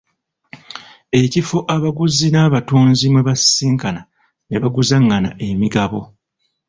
Ekifo abaguzi n'abatunzi mwe basisinkana ne baguzangana emigabo.